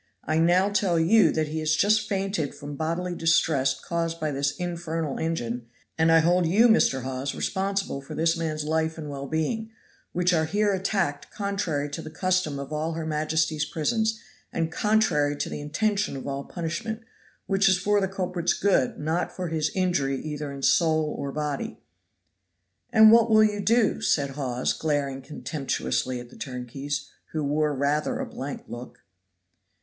I now tell you that he has just fainted from bodily distress caused by this infernal engine, and I hold you, Mr. Hawes, responsible for this man's life and well being, which are here attacked contrary to the custom of all her majesty's prisons, and contrary to the intention of all punishment, which is for the culprit's good, not for his injury either in soul or body. "And what will you do?" said Hawes, glaring contemptuously at the turnkeys, who wore rather a blank look.